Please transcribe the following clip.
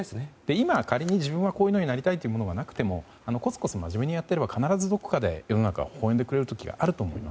今、仮に自分はこうなりたいというのがなくてもコツコツ真面目にやっていれば必ずどこかで世の中が微笑んでくれる時があると思います。